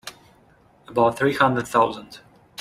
About three hundred thousand.